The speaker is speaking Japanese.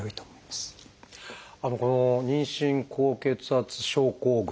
この妊娠高血圧症候群。